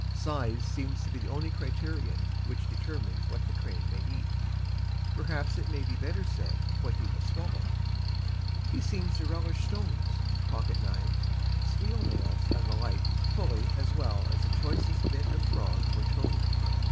Size seems to be the only criterion which determines what the crane may eat. Perhaps it might better be said, what he will swallow. He seems to relish stones, pocket knives, steel nails and the like fully as well as the choicest bit of frog or toad.